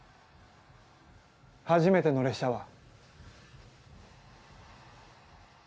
初めての列車は。